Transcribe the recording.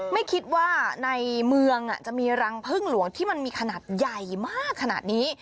ไม่คิดว่าในเมืองจะมีรังพึ่งหลวงที่มันมีขนาดใหญ่มากขนาดนี้